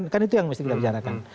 kan itu yang mesti kita bicarakan